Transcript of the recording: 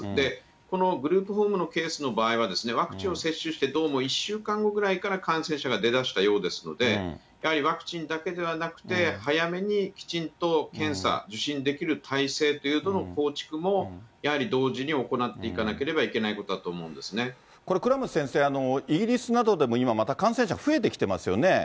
このグループホームのケースの場合は、ワクチンを接種してどうも１週間後ぐらいから感染者が出だしたようですので、やはりワクチンだけではなくて、早めにきちんと検査、受診できる体制というものの構築もやはり同時に行っていかなけれこれ、倉持先生、イギリスなどでも今また感染者、増えてきてますよね。